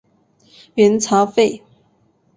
元朝废。